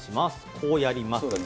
こうやりますね。